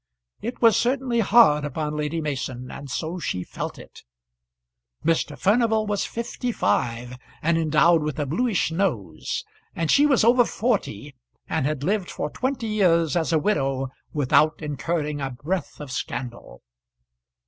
It was certainly hard upon Lady Mason, and so she felt it. Mr. Furnival was fifty five, and endowed with a bluish nose; and she was over forty, and had lived for twenty years as a widow without incurring a breath of scandal.